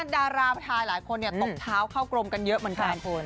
ดาราไทยหลายคนตบเท้าเข้ากรมกันเยอะเหมือนกันคุณ